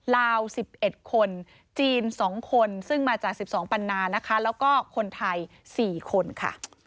ลาว๑๑คนจีน๒คนซึ่งมาจาก๑๒ปันนานะคะแล้วก็คนไทย๔คนค่ะ